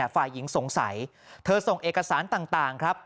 ฝ่ายหญิงสงสัยเธอส่งเอกสารต่างครับ